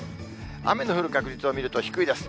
雨の降る確率を見ると、低いです。